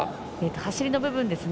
走りの部分ですね。